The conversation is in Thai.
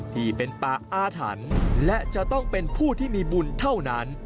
ที่เป็นป่าอาถรรพ์และจะต้องเป็นผู้ที่มีบุญเท่านั้น